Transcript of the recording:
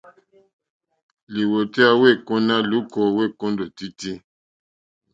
Lìwòtéyá wèêkóná lùúkà wêkóndòtítí.